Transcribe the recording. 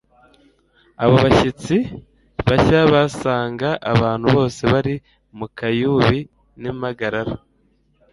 Abo bashyitsi bashya basanga abantu bose bari mu kayubi n'impagarara.